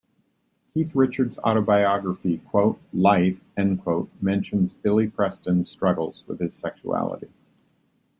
Keith Richards' autobiography, "Life", mentions Billy Preston's struggles with his sexuality.